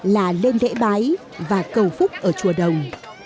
là lên đễ bái và cầu phúc ở chùa đồng